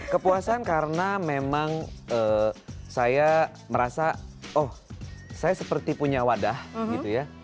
kepuasan karena memang saya merasa oh saya seperti punya wadah gitu ya